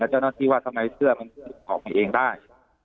เจ้าหน้าที่ว่าทำไมเสื้อมันออกมาเองได้